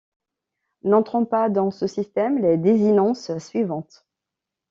N'entrent pas dans ce système les désinences suivantes.